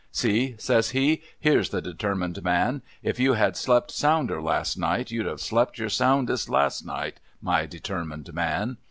' See !' says he. ' Here's the determined man ! If you had slept sounder, last ni ht, you'd have slept your soundest last night, niv determined man.'